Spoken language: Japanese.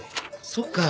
そっか。